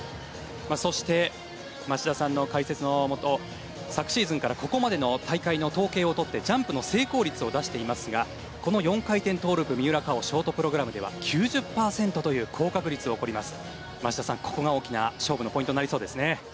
そして、町田さんの解説のもと昨シーズンからここまでの統計を取ってジャンプの成功率を出していますがこの４回転、トウループ三浦佳生ショートプログラムでは９０％という高確率を誇ります。